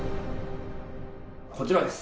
こちらです。